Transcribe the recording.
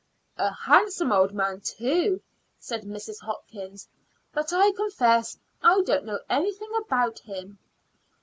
"A handsome old man, too," said Mrs. Hopkins, "but I confess I don't know anything about him."